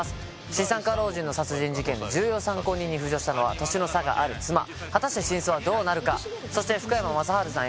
資産家老人の殺人事件重要参考人に浮上したのは年の差がある妻果たして真相はどうなるかそして福山雅治さん